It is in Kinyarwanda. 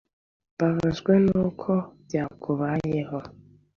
mbabajwe nuko byakubayeho